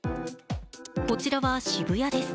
こちらは渋谷です。